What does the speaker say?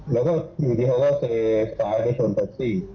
แล้วก็อยู่ที่เค้าเซซ้ายไปชนต้านตจิ